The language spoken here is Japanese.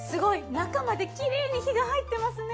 中まできれいに火が入ってますね。